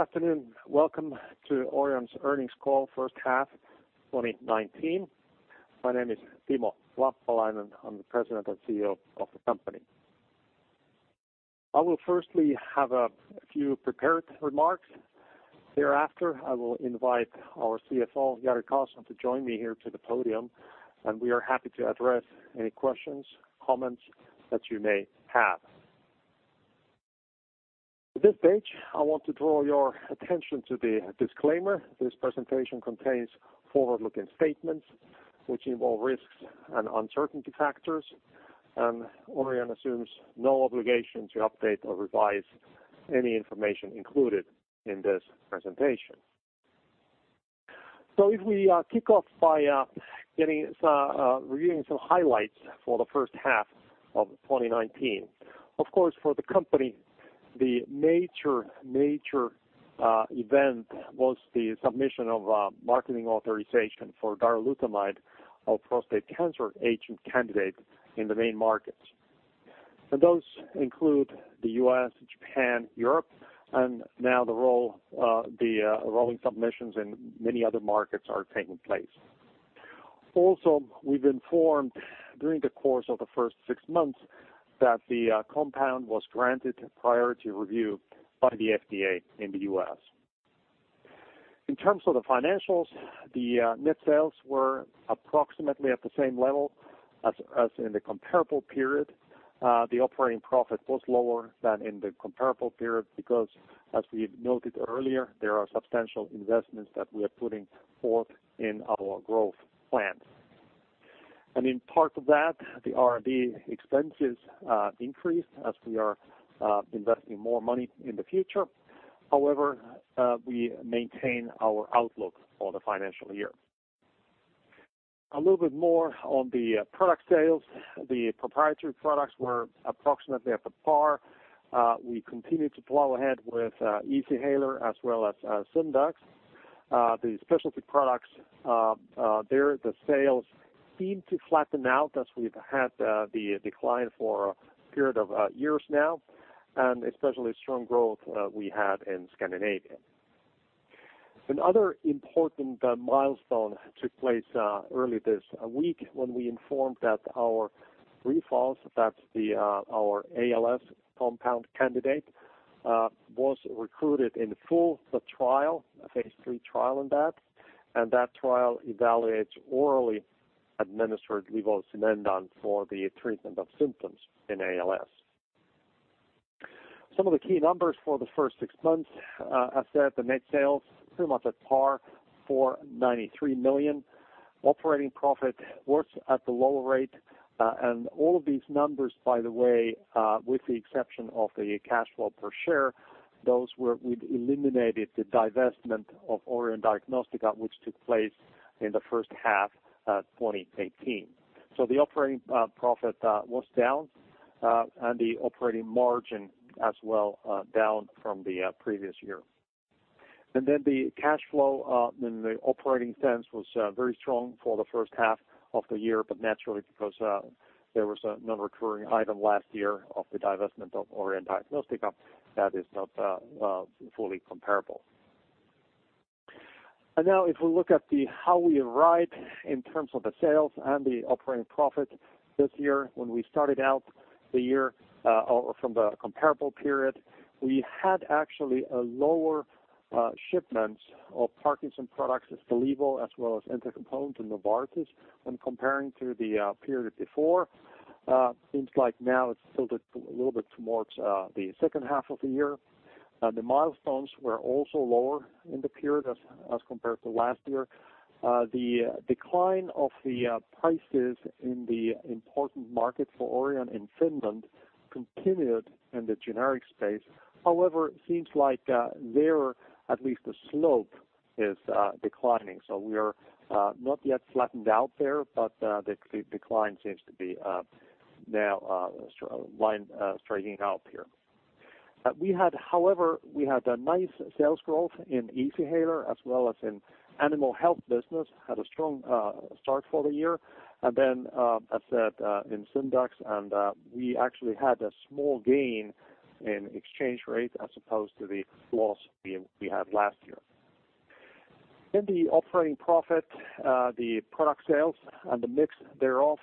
Afternoon. Welcome to Orion's earnings call first half 2019. My name is Timo Lappalainen, I am the President and CEO of the company. I will firstly have a few prepared remarks. Thereafter, I will invite our CFO, Jari Karlson, to join me here to the podium, and we are happy to address any questions, comments that you may have. At this stage, I want to draw your attention to the disclaimer. This presentation contains forward-looking statements which involve risks and uncertainty factors, and Orion assumes no obligation to update or revise any information included in this presentation. If we kick off by reviewing some highlights for the first half of 2019. Of course, for the company, the major event was the submission of a marketing authorization for darolutamide, a prostate cancer agent candidate in the main markets. Those include the U.S., Japan, Europe, and now the rolling submissions in many other markets are taking place. Also, we have informed during the course of the first six months that the compound was granted priority review by the FDA in the U.S. In terms of the financials, the net sales were approximately at the same level as in the comparable period. The operating profit was lower than in the comparable period because, as we have noted earlier, there are substantial investments that we are putting forth in our growth plans. In part of that, the R&D expenses increased as we are investing more money in the future. However, we maintain our outlook for the financial year. A little bit more on the product sales. The proprietary products were approximately at par. We continue to plow ahead with Easyhaler as well as Simdax. The specialty products, there the sales seem to flatten out as we have had the decline for a period of years now, and especially strong growth we had in Scandinavia. Another important milestone took place early this week when we informed that our REFALS, that is our ALS compound candidate, was recruited in full the trial, a phase III trial in that. That trial evaluates orally administered rivastigmine for the treatment of symptoms in ALS. Some of the key numbers for the first six months. As said, the net sales pretty much at par for 93 million. Operating profit was at the lower rate. All of these numbers, by the way, with the exception of the cash flow per share, those we had eliminated the divestment of Orion Diagnostica, which took place in the first half 2018. The operating profit was down, and the operating margin as well down from the previous year. The cash flow in the operating sense was very strong for the first half of the year, but naturally because there was a non-recurring item last year of the divestment of Orion Diagnostica that is not fully comparable. Now if we look at how we arrived in terms of the sales and the operating profit this year. When we started out the year from the comparable period, we had actually a lower shipment of Parkinson's products, Stalevo as well as entacapone to Novartis when comparing to the period before. Seems like now it is tilted a little bit towards the second half of the year. The milestones were also lower in the period as compared to last year. The decline of the prices in the important market for Orion in Finland continued in the generic space. However, it seems like there at least the slope is declining. We are not yet flattened out there, but the decline seems to be now line straightening out here. However, we had a nice sales growth in Easyhaler as well as in Animal Health business, had a strong start for the year. As said, in Simdax, we actually had a small gain in exchange rate as opposed to the loss we had last year. In the operating profit, the product sales and the mix thereof,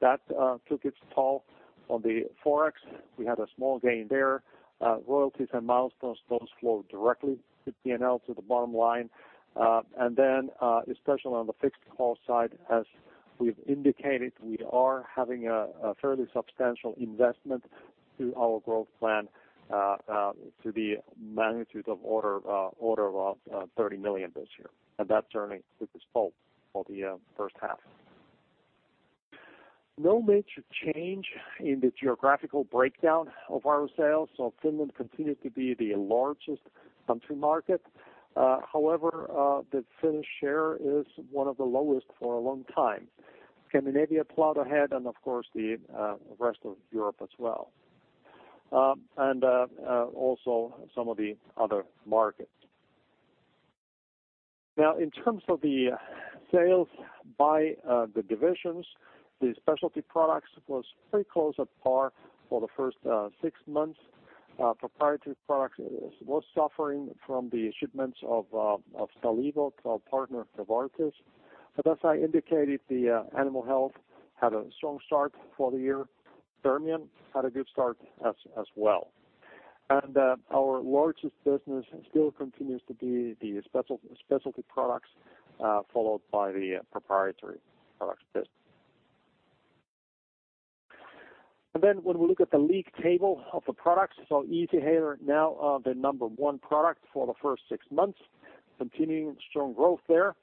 that took its toll. On the Forex, we had a small gain there. Royalties and milestones, those flow directly to P&L to the bottom line. Especially on the fixed cost side, as we've indicated, we are having a fairly substantial investment to our growth plan to the magnitude of order of 30 million this year. That certainly took its toll for the first half. No major change in the geographical breakdown of our sales. Finland continued to be the largest country market. However, the Finnish share is one of the lowest for a long time. Scandinavia plowed ahead, of course, the rest of Europe as well. Also some of the other markets. In terms of the sales by the divisions, the specialty products was pretty close at par for the first six months. Proprietary products was suffering from the shipments of Stalevo to our partner, Novartis. As I indicated, the Animal Health had a strong start for the year. Fermion had a good start as well. Our largest business still continues to be the specialty products, followed by the proprietary products business. When we look at the league table of the products, Easyhaler now the number one product for the first six months, continuing strong growth there.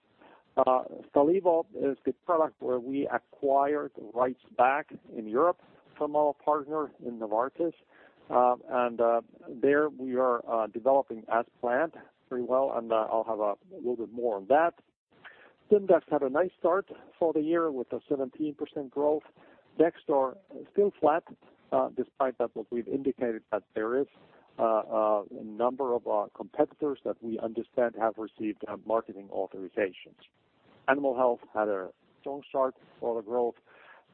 Stalevo is the product where we acquired rights back in Europe from our partner in Novartis. There we are developing as planned pretty well. I'll have a little bit more on that. Simdax had a nice start for the year with a 17% growth. dexdor still flat, despite what we've indicated that there is a number of competitors that we understand have received marketing authorizations. Animal Health had a strong start for the growth,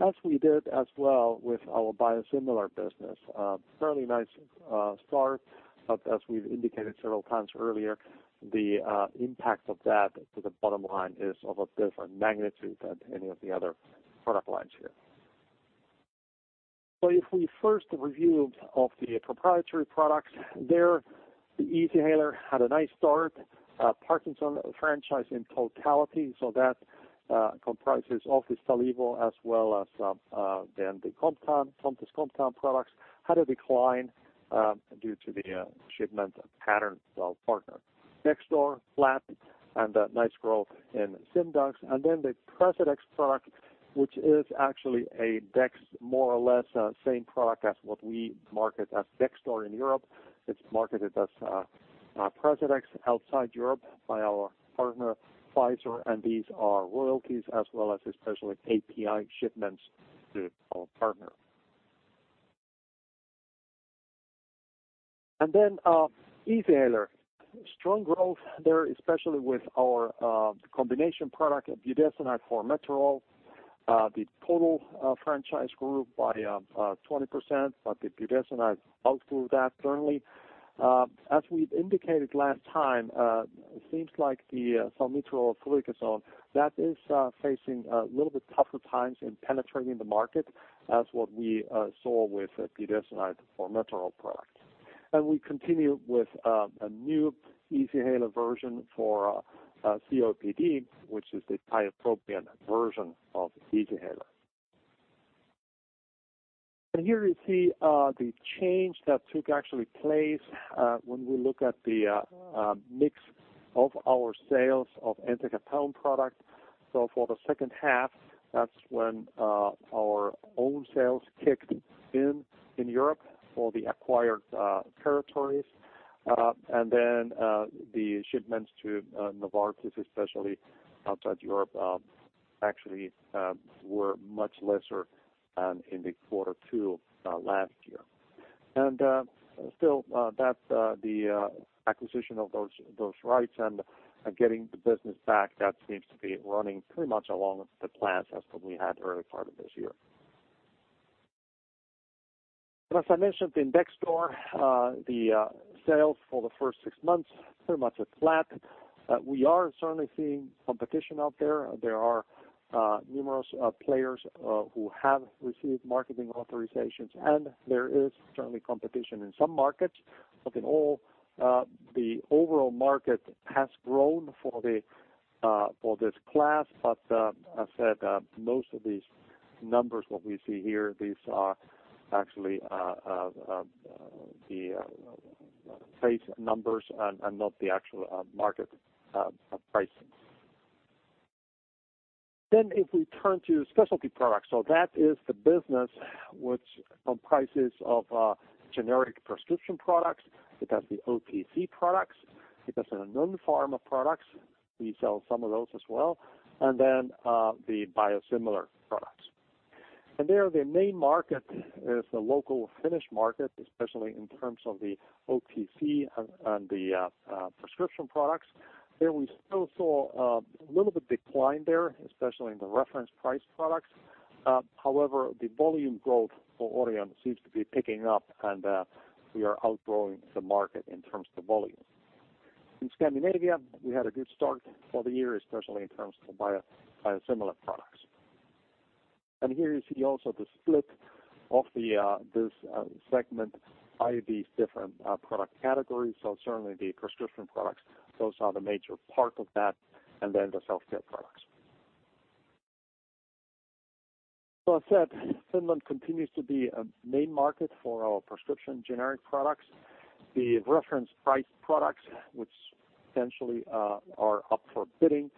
as we did as well with our biosimilar business. A fairly nice start, as we've indicated several times earlier, the impact of that to the bottom line is of a different magnitude than any of the other product lines here. If we first review of the proprietary products, there the Easyhaler had a nice start. Parkinson franchise in totality, that comprises of the Stalevo as well as the Comtess Comtan products, had a decline due to the shipment pattern to our partner. dexdor flat, a nice growth in Simdax. The Precedex product, which is actually a dex, more or less same product as what we market as dexdor in Europe. It's marketed as Precedex outside Europe by our partner, Pfizer. These are royalties as well as especially API shipments to our partner. Easyhaler. Strong growth there, especially with our combination product, budesonide-formoterol. The total franchise grew by 20%. The budesonide outgrew that currently. As we've indicated last time, it seems like the formoterol-fluticasone, that is facing a little bit tougher times in penetrating the market as what we saw with budesonide-formoterol product. We continue with a new Easyhaler version for COPD, which is the tiotropium version of Easyhaler. Here you see the change that took actually place when we look at the mix of our sales of entacapone product. For the second half, that's when our own sales kicked in Europe for the acquired territories. The shipments to Novartis, especially outside Europe, actually were much lesser than in the quarter two last year. Still, the acquisition of those rights and getting the business back, that seems to be running pretty much along the plans as what we had early part of this year. As I mentioned, in dexdor, the sales for the first six months, pretty much it's flat. We are certainly seeing competition out there. There are numerous players who have received marketing authorizations, and there is certainly competition in some markets. In all, the overall market has grown for this class. As said, most of these numbers, what we see here, these are actually the face numbers and not the actual market pricing. If we turn to specialty products, so that is the business which comprises of generic prescription products. It has the OTC products. It has the non-pharma products. We sell some of those as well. The biosimilar products. There, the main market is the local Finnish market, especially in terms of the OTC and the prescription products. There we still saw a little bit decline there, especially in the reference price products. However, the volume growth for Orion seems to be picking up, and we are outgrowing the market in terms of volume. In Scandinavia, we had a good start for the year, especially in terms of biosimilar products. Here you see also the split of this segment by these different product categories. Certainly the prescription products, those are the major part of that, and then the self-care products. As said, Finland continues to be a main market for our prescription generic products. The reference price products, which potentially are up for bidding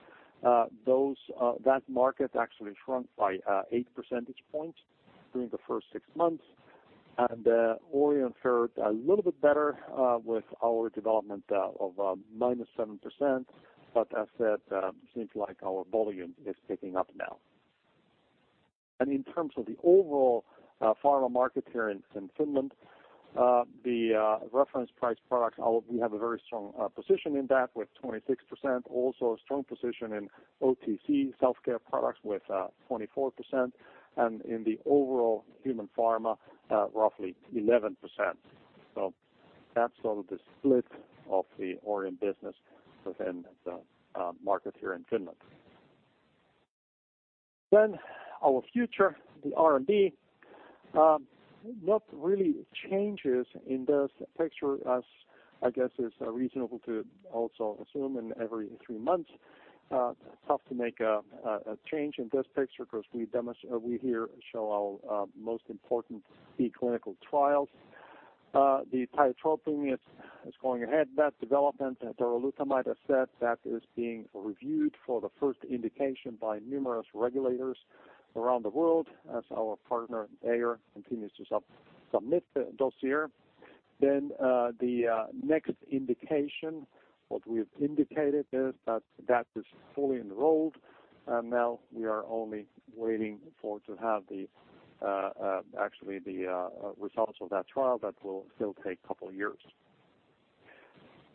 that market actually shrunk by eight percentage points during the first six months. Orion fared a little bit better with our development of -7%, but as said, seems like our volume is picking up now. In terms of the overall pharma market here in Finland, the reference price products, we have a very strong position in that with 26%. Also a strong position in OTC self-care products with 24%, and in the overall human pharma, roughly 11%. That's sort of the split of the Orion business within the market here in Finland. Our future, the R&D. Not really changes in this picture as I guess is reasonable to also assume in every three months. It's tough to make a change in this picture because we here show our most important key clinical trials. The tiotropium is going ahead. That development darolutamide asset, that is being reviewed for the first indication by numerous regulators around the world as our partner Bayer continues to submit the dossier. The next indication, what we've indicated is that is fully enrolled. Now we are only waiting for to have the actually the results of that trial. That will still take a couple of years.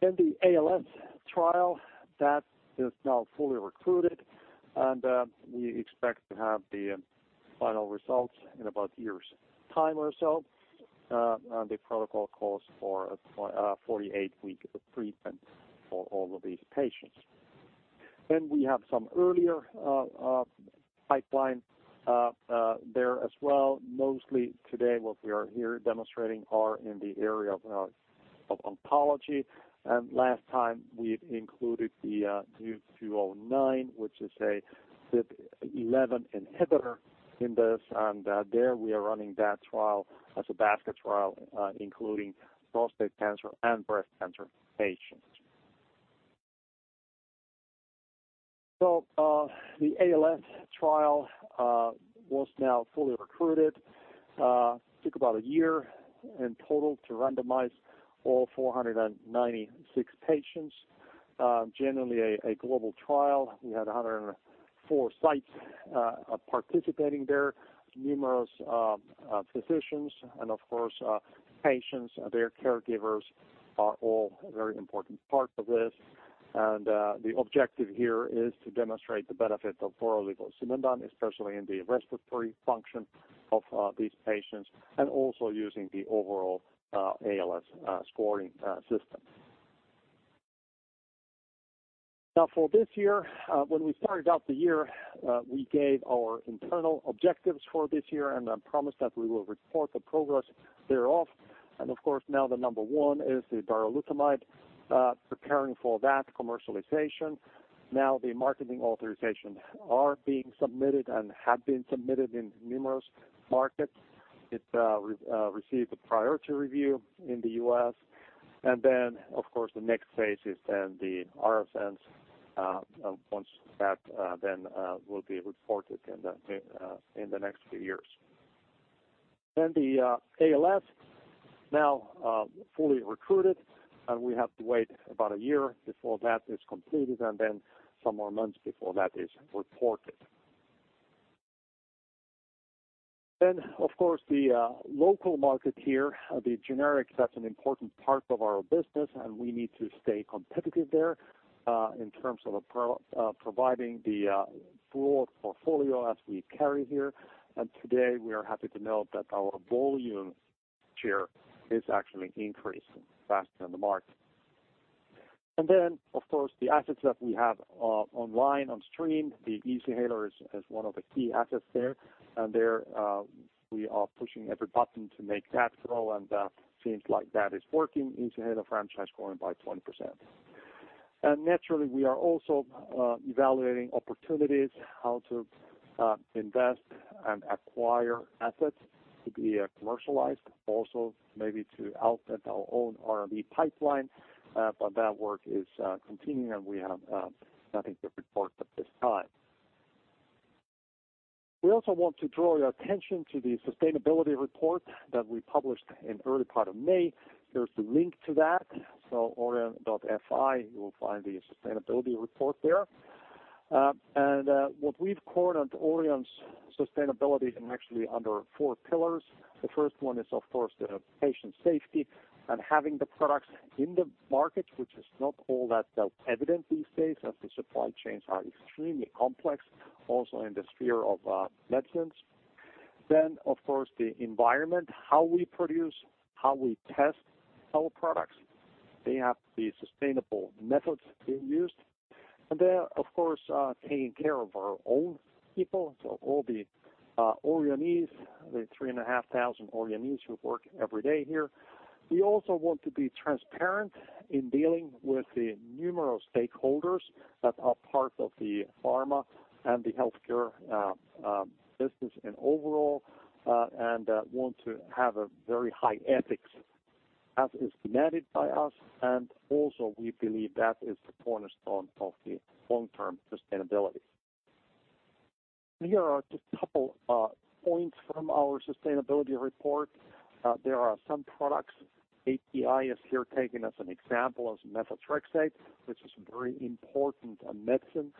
The ALS trial, that is now fully recruited, and we expect to have the final results in about a year's time or so. The protocol calls for a 48-week treatment for all of these patients. We have some earlier pipeline there as well. Mostly today what we are here demonstrating are in the area of oncology. Last time we included the ODM-209, which is a CYP11A1 inhibitor in this. There we are running that trial as a basket trial including prostate cancer and breast cancer patients. The ALS trial was now fully recruited. Took about a year in total to randomize all 496 patients. Generally, a global trial. We had 104 sites participating there. Numerous physicians and of course, patients and their caregivers are all a very important part of this. The objective here is to demonstrate the benefit of levosimendan, especially in the respiratory function of these patients, and also using the overall ALS scoring system. For this year, when we started out the year, we gave our internal objectives for this year, and I promise that we will report the progress thereof. Of course, now the number one is the darolutamide, preparing for that commercialization. The marketing authorizations are being submitted and have been submitted in numerous markets. It received a priority review in the U.S. Of course, the next phase is then the RFNs once that then will be reported in the next few years. The ALS now fully recruited, and we have to wait about a year before that is completed, and then some more months before that is reported. Of course, the local market here, the generics, that's an important part of our business, and we need to stay competitive there, in terms of providing the broad portfolio as we carry here. Today, we are happy to note that our volume share is actually increasing faster than the market. Of course, the assets that we have online, on stream, the Easyhaler is one of the key assets there. There we are pushing every button to make that grow and seems like that is working. Easyhaler franchise growing by 20%. Naturally, we are also evaluating opportunities how to invest and acquire assets to be commercialized, also maybe to outfit our own R&D pipeline. That work is continuing, and we have nothing to report at this time. We also want to draw your attention to the sustainability report that we published in early part of May. Here's the link to that. orion.fi, you will find the sustainability report there. What we've called Orion's sustainability and actually under four pillars. The first one is, of course, the patient safety and having the products in the market, which is not all that evident these days as the supply chains are extremely complex, also in the sphere of medicines. Of course, the environment, how we produce, how we test our products. They have the sustainable methods being used. Of course, taking care of our own people. All the Orionees, the 3,500 Orionees who work every day here. We also want to be transparent in dealing with the numerous stakeholders that are part of the pharma and the healthcare business in overall, and want to have a very high ethics as is demanded by us. We believe that is the cornerstone of the long-term sustainability. Here are just a couple points from our sustainability report. There are some products. API is here taken as an example of methotrexate, which is a very important medicine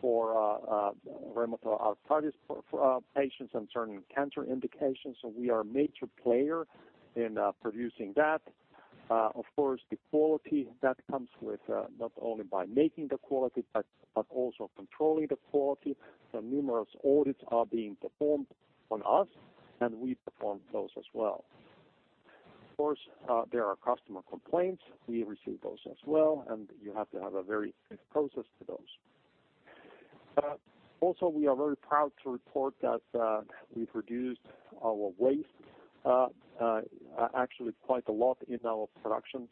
for rheumatoid arthritis patients and certain cancer indications. We are a major player in producing that. Of course, the quality that comes with not only by making the quality, but also controlling the quality. Numerous audits are being performed on us, and we perform those as well. Of course, there are customer complaints. We receive those as well, and you have to have a very strict process for those. Also, we are very proud to report that we've reduced our waste, actually quite a lot in our production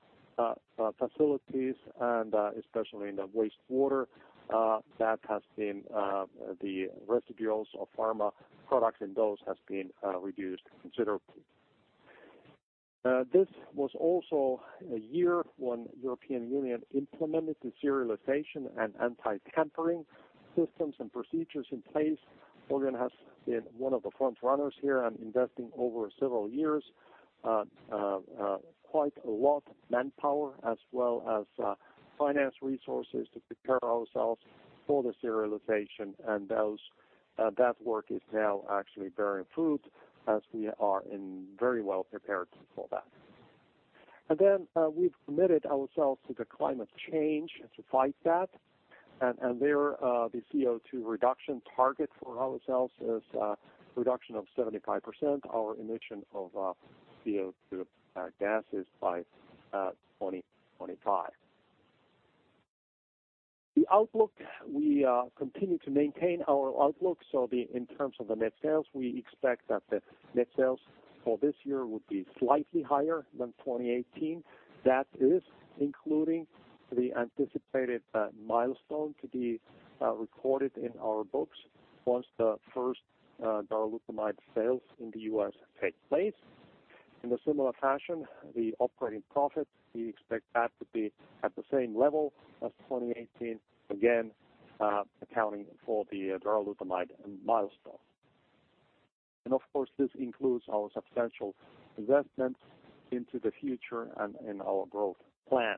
facilities and especially in the wastewater that has been the residuals of pharma products, and those has been reduced considerably. This was also a year when European Union implemented the serialization and anti-tampering systems and procedures in place. Orion has been one of the front runners here and investing over several years, quite a lot manpower as well as finance resources to prepare ourselves for the serialization and that work is now actually bearing fruit as we are very well prepared for that. We've committed ourselves to the climate change and to fight that. The CO2 reduction target for ourselves is a reduction of 75% our emission of CO2 gases by 2025. The outlook, we continue to maintain our outlook. In terms of the net sales, we expect that the net sales for this year will be slightly higher than 2018. That is including the anticipated milestone to be recorded in our books once the first darolutamide sales in the U.S. take place. In a similar fashion, the operating profit, we expect that to be at the same level as 2018, again, accounting for the darolutamide milestone. This includes our substantial investments into the future and in our growth plan.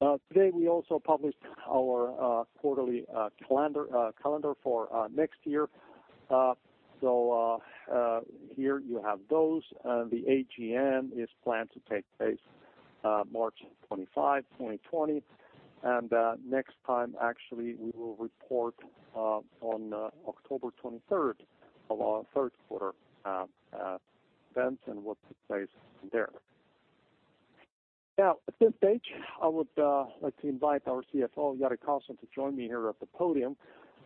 Today, we also published our quarterly calendar for next year. Here you have those. The AGM is planned to take place March 25, 2020. Next time actually, we will report on October 23rd of our third quarter events and what takes place there. At this stage, I would like to invite our CFO, Jari Karlson, to join me here at the podium,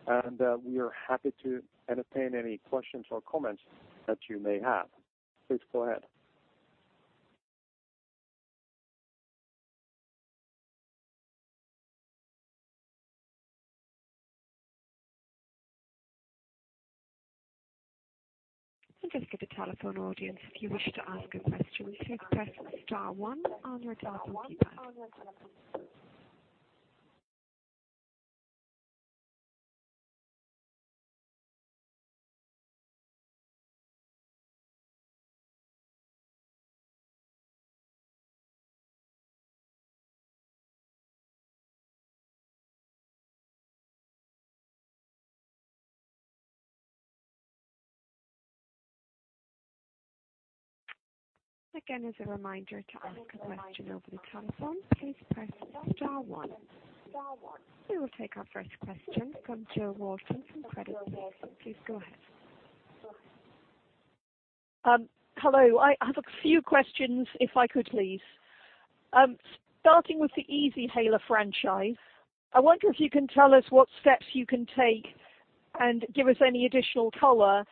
and we are happy to entertain any questions or comments that you may have. Please go ahead. Just for the telephone audience, if you wish to ask a question, please press star one on your telephone keypad. Again, as a reminder to ask a question over the telephone, please press star one. We will take our first question from Jo Walton from Credit Suisse. Please go ahead. Hello. I have a few questions if I could, please. Starting with the Easyhaler franchise, I wonder if you can tell us what steps you can take and give us any additional color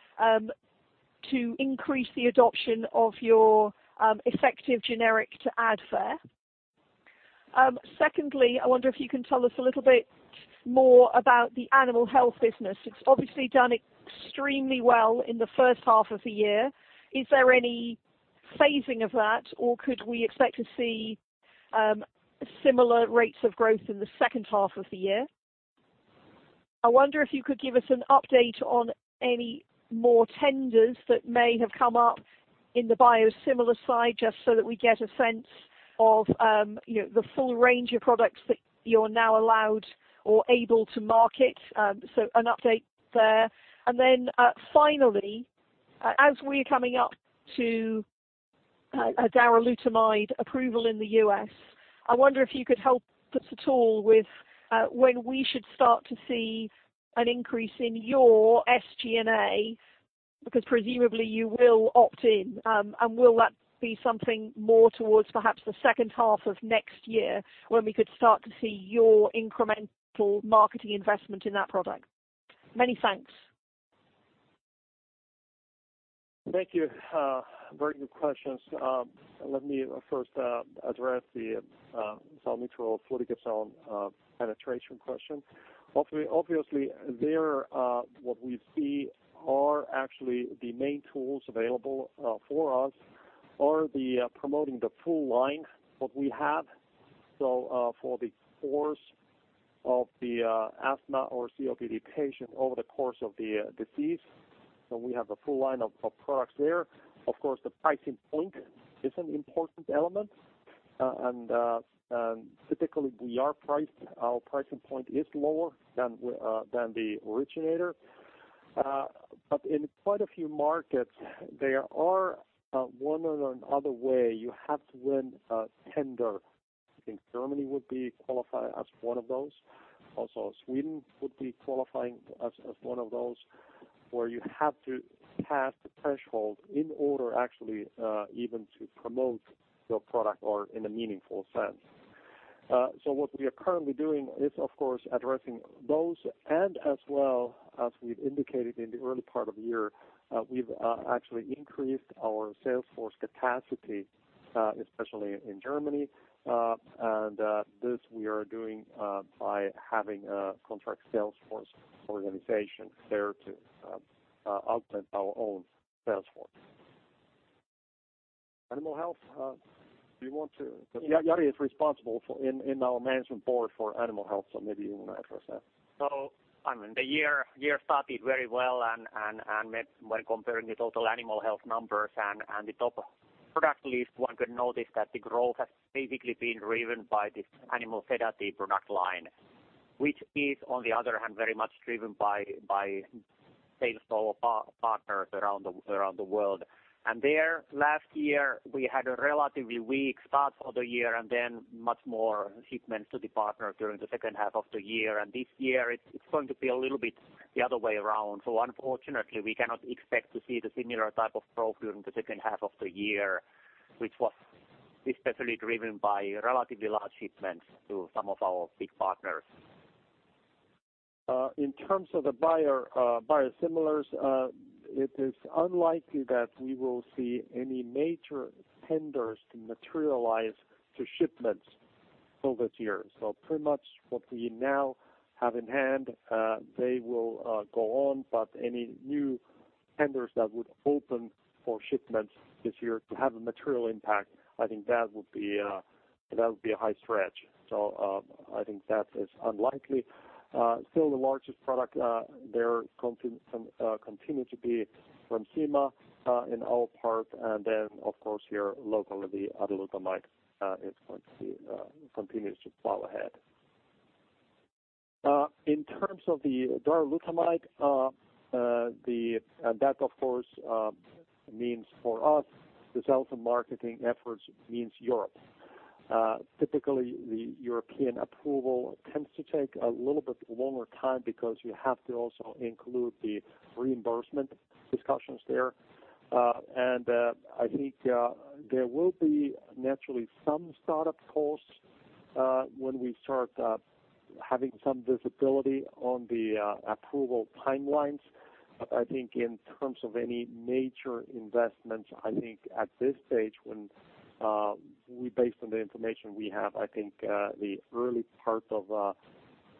to increase the adoption of your effective generic to Advair. Secondly, I wonder if you can tell us a little bit more about the Animal Health business. It's obviously done extremely well in the first half of the year. Is there any phasing of that, or could we expect to see similar rates of growth in the second half of the year? I wonder if you could give us an update on any more tenders that may have come up in the biosimilar side, just so that we get a sense of the full range of products that you're now allowed or able to market. An update there. Finally, as we're coming up to a darolutamide approval in the U.S., I wonder if you could help us at all with when we should start to see an increase in your SG&A, because presumably you will opt in. Will that be something more towards perhaps the second half of next year when we could start to see your incremental marketing investment in that product? Many thanks. Thank you. Very good questions. Let me first address the salmeterol-fluticasone penetration question. There what we see are actually the main tools available for us are the promoting the full line that we have. For the fours of the asthma or COPD patient over the course of the disease. We have a full line of products there. The pricing point is an important element. Typically, our pricing point is lower than the originator. In quite a few markets, there are one or other way you have to win a tender. I think Germany would be qualified as one of those. Sweden would be qualifying as one of those, where you have to pass the threshold in order actually even to promote your product or in a meaningful sense. What we are currently doing is of course addressing those. As well, as we've indicated in the early part of the year, we've actually increased our sales force capacity, especially in Germany. This we are doing by having a contract sales force organization there to augment our own sales force. Animal Health. Jari is responsible in our management board for Animal Health. Maybe you want to address that. The year started very well and when comparing the total Animal Health numbers and the top product list, one could notice that the growth has basically been driven by this Animal Health product line, which is on the other hand very much driven by sales of partners around the world. There, last year, we had a relatively weak start of the year and then much more shipments to the partner during the second half of the year. This year it's going to be a little bit the other way around. Unfortunately, we cannot expect to see the similar type of growth during the second half of the year, which was especially driven by relatively large shipments to some of our big partners. In terms of the biosimilars, it is unlikely that we will see any major tenders materialize to shipments over the year. Pretty much what we now have in hand, they will go on, but any new tenders that would open for shipments this year to have a material impact, I think that would be a high stretch. I think that is unlikely. Still the largest product there continue to be Remsima in our part, and then of course, here locally, the darolutamide continues to plow ahead. In terms of the darolutamide, that of course means for us the sales and marketing efforts means Europe. Typically, the European approval tends to take a little bit longer time because you have to also include the reimbursement discussions there. I think there will be naturally some startup costs, when we start having some visibility on the approval timelines. I think in terms of any major investments, I think at this stage, based on the information we have, I think the early part of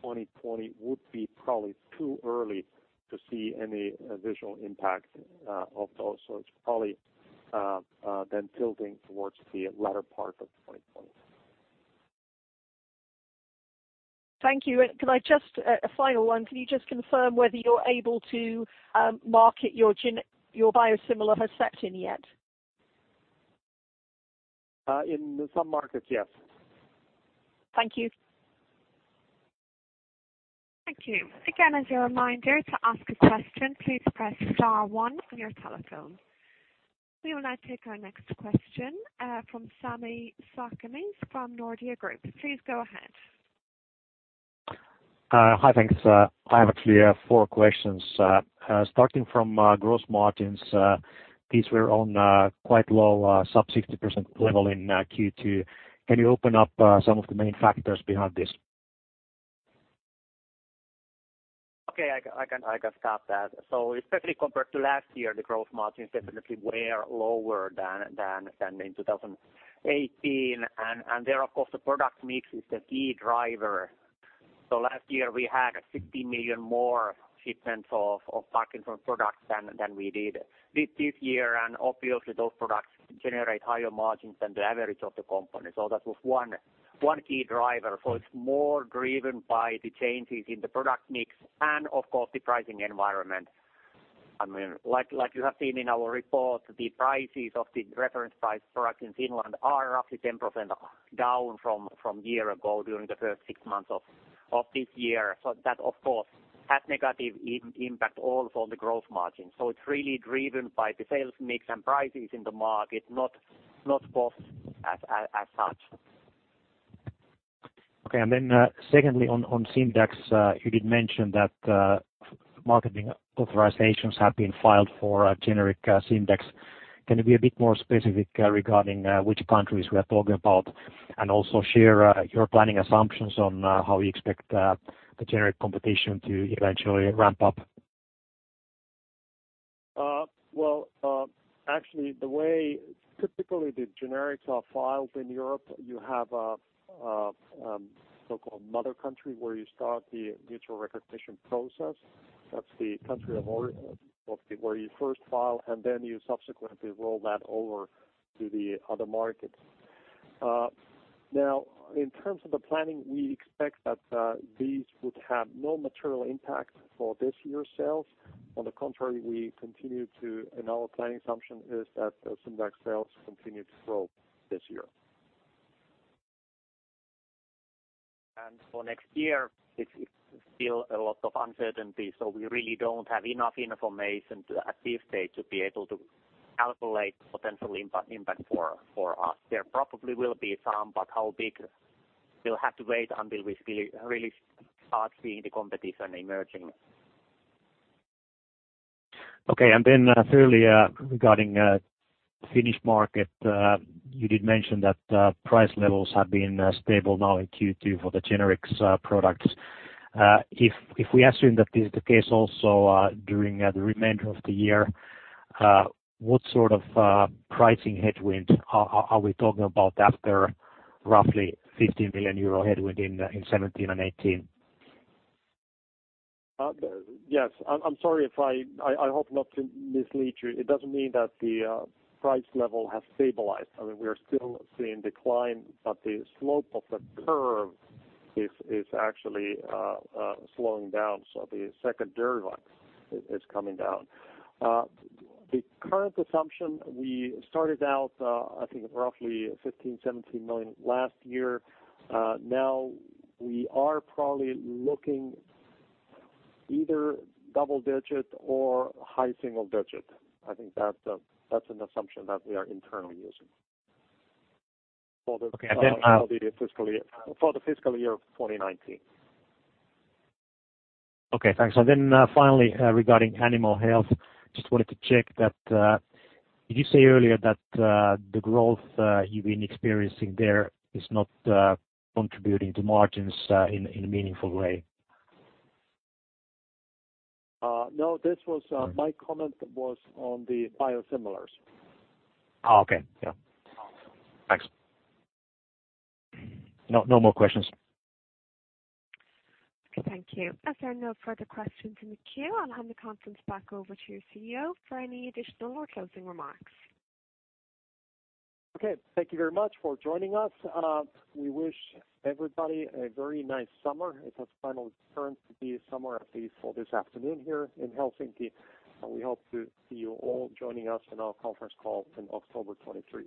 2020 would be probably too early to see any visual impact of those. It's probably then tilting towards the latter part of 2020. Thank you. A final one, can you just confirm whether you're able to market your biosimilar Herceptin yet? In some markets, yes. Thank you. Thank you. Again, as a reminder, to ask a question, please press star one on your telephone. We will now take our next question from Sami Sarkamies from Nordea Group. Please go ahead. Hi, thanks. I have actually four questions. Starting from gross margins, these were on quite low sub 60% level in Q2. Can you open up some of the main factors behind this? Okay, I can start that. Especially compared to last year, the gross margins definitely were lower than in 2018. There, of course, the product mix is the key driver. Last year we had 60 million more shipments of Parkinson's products than we did this year. Obviously those products generate higher margins than the average of the company. That was one key driver. It's more driven by the changes in the product mix and of course the pricing environment. Like you have seen in our report, the prices of the reference price products in Finland are roughly 10% down from year-ago during the first six months of this year. That, of course, had negative impact also on the gross margin. It's really driven by the sales mix and prices in the market, not costs as such. Okay, then secondly on Simdax, you did mention that marketing authorizations have been filed for generic Simdax. Can you be a bit more specific regarding which countries we are talking about? Also share your planning assumptions on how you expect the generic competition to eventually ramp up. Well, actually the way typically the generics are filed in Europe, you have a so-called mother country where you start the mutual recognition process. That's the country where you first file, and then you subsequently roll that over to the other markets. Now, in terms of the planning, we expect that these would have no material impact for this year's sales. On the contrary, we continue to, and our planning assumption is that Simdax sales continue to grow this year. For next year, it's still a lot of uncertainty. We really don't have enough information at this stage to be able to calculate potential impact for us. There probably will be some, but how big? We'll have to wait until we really start seeing the competition emerging. Okay, earlier regarding Finnish market, you did mention that price levels have been stable now in Q2 for the generics products. If we assume that this is the case also during the remainder of the year, what sort of pricing headwind are we talking about after roughly 50 million euro headwind in 2017 and 2018? Yes. I'm sorry if I hope not to mislead you. It doesn't mean that the price level has stabilized. I mean, we are still seeing decline, but the slope of the curve is actually slowing down. The second derivative is coming down. The current assumption, we started out, I think roughly 15 million-17 million last year. Now we are probably looking either double digit or high single digit. I think that's an assumption that we are internally using. Okay. For the fiscal year of 2019. Okay, thanks. Finally, regarding Animal Health, just wanted to check that, did you say earlier that the growth you've been experiencing there is not contributing to margins in a meaningful way? No, my comment was on the biosimilars. Okay. Yeah. Thanks. No more questions. Thank you. As there are no further questions in the queue, I'll hand the conference back over to your CEO for any additional or closing remarks. Okay. Thank you very much for joining us. We wish everybody a very nice summer. It has finally turned to be summer, at least for this afternoon here in Helsinki, and we hope to see you all joining us in our conference call in October 23.